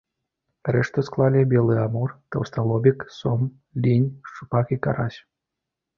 Рэшту склалі белы амур, таўсталобік, сом, лінь, шчупак і карась.